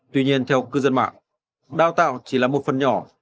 tuy nhiên theo cư dân mạng đào tạo chỉ là một phần nhỏ